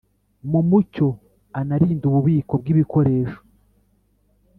mu mucyo anarinde ububiko bw ibikoresho